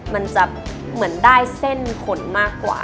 มันจะเหมือนได้เส้นขนมากกว่า